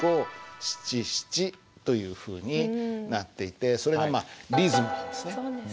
というふうになっていてそれがまあリズムなんですね。